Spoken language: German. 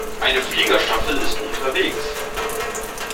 Eine Fliegerstaffel ist unterwegs.